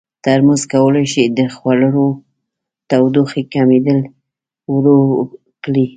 ترموز کولی شي د خوړو تودوخې کمېدل ورو کړي.